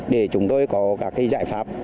để chúng tôi có các giải pháp